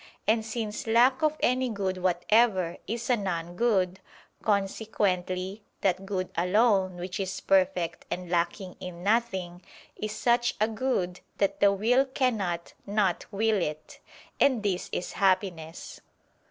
And since lack of any good whatever, is a non good, consequently, that good alone which is perfect and lacking in nothing, is such a good that the will cannot not will it: and this is Happiness.